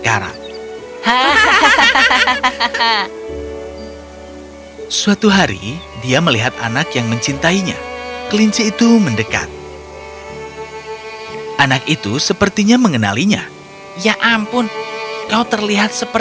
kau tidak bisa mencintai aku lagi